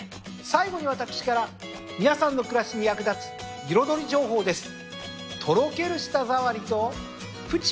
最後に私から皆さんの暮らしに役立つ彩り情報です。